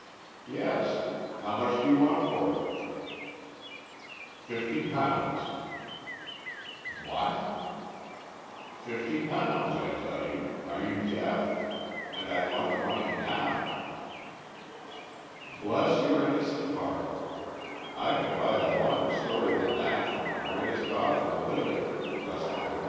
"Yes. How much do you want for it?" "£50." "What?" "£50, I tell you. Are you deaf? And I want the money now." "Bless your innocent heart, I can buy a longer story than that from the greatest author living for less than £50.